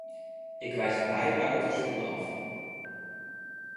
Ik wijs beide uitersten af.